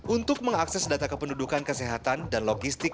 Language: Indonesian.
untuk mengakses data kependudukan kesehatan dan logistik